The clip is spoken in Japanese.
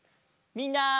みんな！